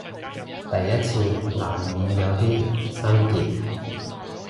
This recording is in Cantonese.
第一次難免有啲生澀